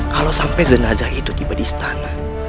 kalau sampai jenazah itu tiba di istana